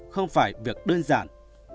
không phải việc đơn giản